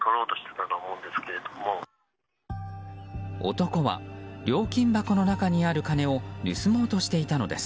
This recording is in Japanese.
男は料金箱の中にある金を盗もうとしていたのです。